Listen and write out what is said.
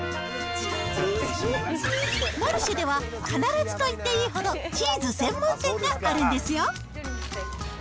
マルシェでは、必ずと言っていいほどチーズ専門店があるんですよ。